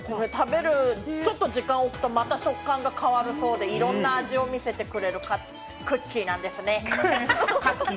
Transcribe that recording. ちょっと時間を空けると、また食感が変わるようでいろんな味を見せてくれるクッキーなんですね。